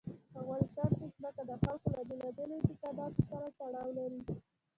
افغانستان کې ځمکه د خلکو له بېلابېلو اعتقاداتو سره تړاو لري.